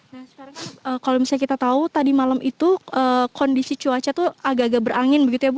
nah sekarang kalau misalnya kita tahu tadi malam itu kondisi cuaca itu agak agak berangin begitu ya bu